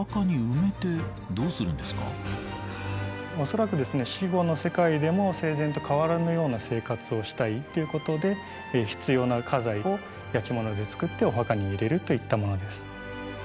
恐らくですね死後の世界でも生前と変わらぬような生活をしたいっていうことで必要な家財を焼き物で作ってお墓に入れるといったものです。